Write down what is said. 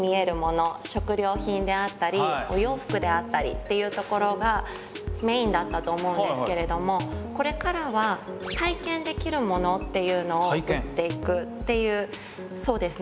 食料品であったりお洋服であったりっていうところがメインだったと思うんですけれどもこれからは体験できるものっていうのを売っていくっていうそうですね。